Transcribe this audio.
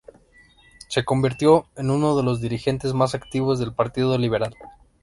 Se convirtió en uno de los dirigentes más activos del partido liberal.